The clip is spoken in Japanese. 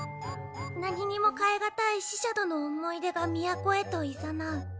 「何にも代え難い死者との思い出が都へといざなう」。